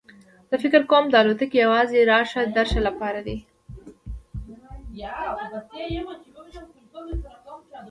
زه فکر کوم دا الوتکه یوازې راشه درشه لپاره ده.